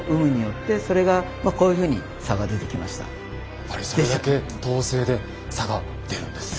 やっぱりそれだけ統制で差が出るんですね。